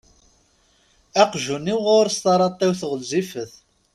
Aqjun-iw ɣur-s taṛatiwt ɣezzifet.